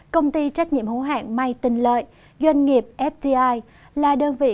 công ty trách nhiệm hữu hạng may tình lợi doanh nghiệp fdi là đơn vị